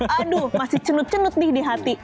aduh masih cenut cenut nih di hati